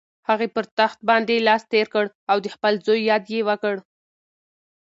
هغې پر تخت باندې لاس تېر کړ او د خپل زوی یاد یې وکړ.